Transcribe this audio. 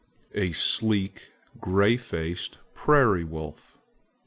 A sleek gray faced prairie wolf!